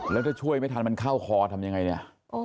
แล้วถ้าช่วยไม่ทันมันเข้าคอทำยังไงเนี่ย